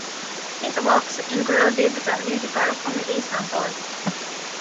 His works included the musical comedy San Toy.